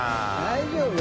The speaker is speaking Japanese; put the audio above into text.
大丈夫？